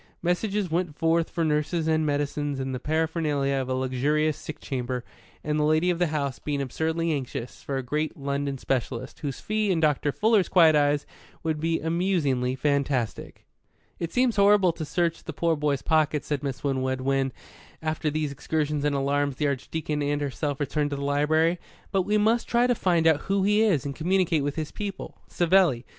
Messages went forth for nurses and medicines and the paraphernalia of a luxurious sick chamber, and the lady of the house being absurdly anxious for a great London specialist, whose fee, in Dr. Fuller's quiet eyes, would be amusingly fantastic. "It seems horrible to search the poor boy's pockets," said Miss Winwood, when, after these excursions and alarms the Archdeacon and herself had returned to the library; "but we must try to find out who he is and communicate with his people. Savelli.